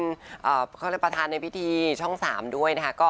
เขาเรียกว่าประธานในพิธีช่อง๓ด้วย